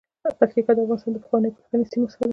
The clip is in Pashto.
پکتیکا د افغانستان له پخوانیو پښتني سیمو څخه ده.